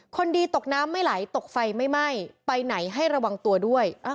คนดีตกน้ำไม่ไหลตกไฟไม่ไหม้ไปไหนให้ระวังตัวด้วย